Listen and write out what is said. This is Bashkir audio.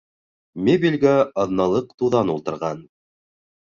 Мебелгә аҙналыҡ туҙан ултырған